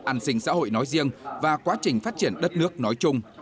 an sinh xã hội nói riêng và quá trình phát triển đất nước nói chung